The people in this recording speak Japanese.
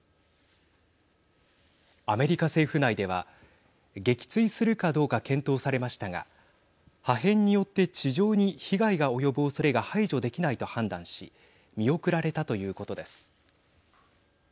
アメリカ政府内では撃墜するかどうか検討されましたが破片によって地上に被害が及ぶおそれが排除できないと判断し見送られたということです。